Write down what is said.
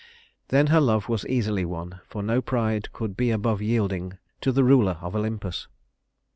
Then her love was easily won, for no pride could be above yielding to the ruler of Olympus.